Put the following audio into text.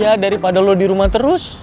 ya daripada lo dirumah terus